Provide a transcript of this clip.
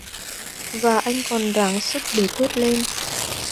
Và anh còn ráng sức để thốt lên